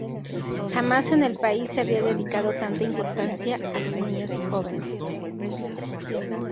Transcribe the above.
Jamás en el país se había dedicado tanta importancia a los niños y jóvenes.